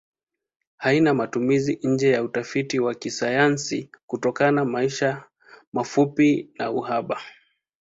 Haina matumizi nje ya utafiti wa kisayansi kutokana maisha mafupi na uhaba.